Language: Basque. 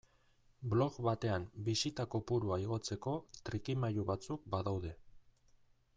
Blog batean bisita kopurua igotzeko trikimailu batzuk badaude.